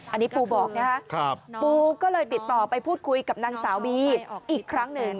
อันนี้ปูบอกนะครับปูก็เลยติดต่อไปพูดคุยกับนางสาวบีอีกครั้งหนึ่ง